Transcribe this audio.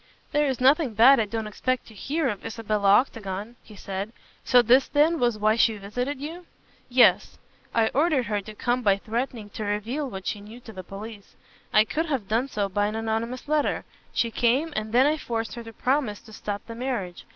"There is nothing bad I don't expect to hear of Isabella Octagon," he said, "so this then was why she visited you?" "Yes. I ordered her to come by threatening to reveal what she knew to the police. I could have done so by an anonymous letter. She came and then I forced her to promise to stop the marriage.